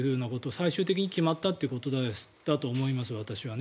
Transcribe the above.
最終的に決まったということだと私は思います。